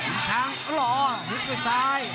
กลิ่นช้างเราะฮืดด้วยซ้าย